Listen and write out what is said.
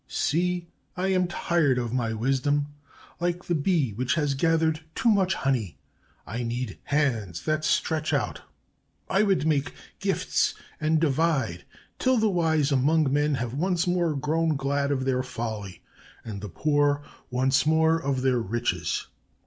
"'See! I am tired of my wisdom, like the bee which has gathered too much honey; I need hands that stretch out. "'I would make gifts and divide, till the wise among men have once more grown glad of their folly, and the poor, once more, of their riches.